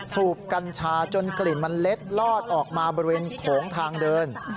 สูบกัญชาจนกลิ่นมันเล็ดลอดออกมาบริเวณโถงทางเดิน